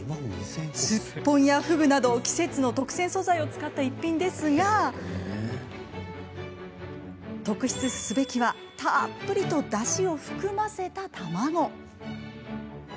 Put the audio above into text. スッポンやふぐなど季節の特選素材を使った逸品ですが、特筆すべきはたっぷりとだしを含ませた卵なんです。